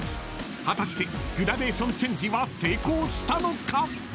［果たしてグラデーションチェンジは成功したのか？］